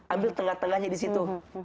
ambil tengah tengahnya di situ